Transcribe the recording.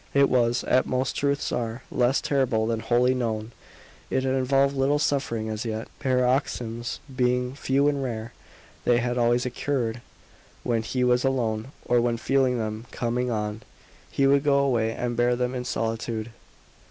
It was, as most truths are, less terrible when wholly known. It had involved little suffering as yet, the paroxysms being few and rare. They had always occurred when he was alone, or when feeling them coming on he could go away and bear them in solitude.